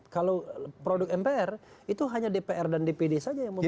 kalau produk mpr itu hanya dpr dan dpd saja yang membutuhkan